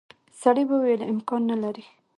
سړي وویل امکان نه لري.